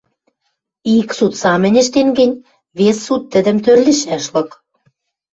Ик суд самынь ӹштен гӹнь, вес суд тӹдӹм тӧрлӹшӓшлык.